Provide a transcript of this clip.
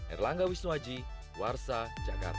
erlangga wisnuwaji warsa jakarta